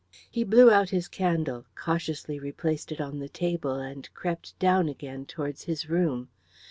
He blew out his candle, cautiously replaced it on the table, and crept down again towards his room.